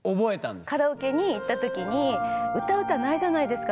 カラオケに行った時に歌う歌ないじゃないですか